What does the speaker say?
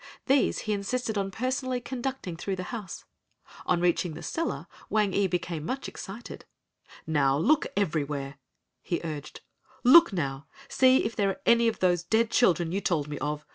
These he insisted on personally conducting through the house. On reaching the cellar Wang ee became much excited. "Now look everywhere," he urged, "look now, see if there are any of those dead children you told me of.